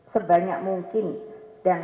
sebanyak mungkin dan